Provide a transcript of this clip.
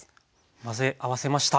混ぜ合わせました。